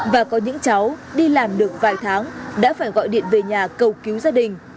và có những cháu đi làm được vài tháng đã phải gọi điện về nhà cầu cứu gia đình